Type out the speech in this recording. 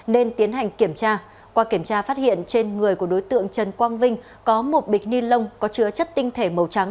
nên tiến hành kiểm tra qua kiểm tra phát hiện trên người của đối tượng trần quang vinh có một bịch ni lông có chứa chất tinh thể màu trắng